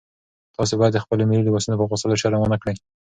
تاسي باید د خپلو ملي لباسونو په اغوستلو شرم ونه کړئ.